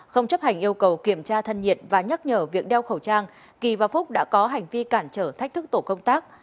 không chấp hành yêu cầu kiểm tra thân nhiệt và nhắc nhở việc đeo khẩu trang kỳ và phúc đã có hành vi cản trở thách thức tổ công tác